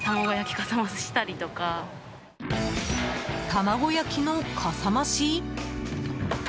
卵焼きのかさまし？